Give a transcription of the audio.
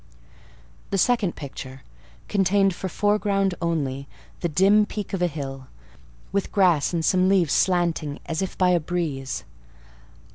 The second picture contained for foreground only the dim peak of a hill, with grass and some leaves slanting as if by a breeze.